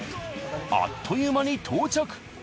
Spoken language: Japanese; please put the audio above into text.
あっという間に到着。